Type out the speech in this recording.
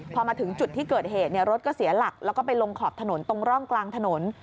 พอมาถึงจุดที่เกิดเหตุรถก็เสียหลักแล้วก็ไปลงขอบถนนตรงร่องกลางถนน